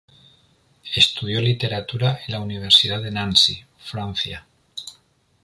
Estudió Literatura en la Universidad de Nancy, Francia.